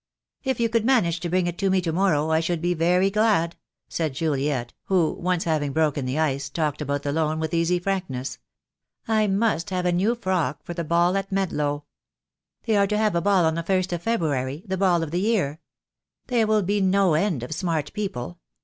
"If you could manage to bring it me to morrow I should be very glad," said Juliet, who, once having broken the ice, talked about the loan with easy frankness. "I must have a new frock for the ball at Medlow. They are to have a ball on the first of February, the ball of the year. There will be no end of smart people.